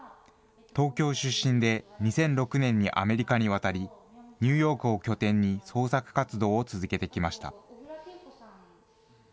東京出身で、２００６年にアメリカに渡り、ニューヨークを拠点に創作活動を続けてきました。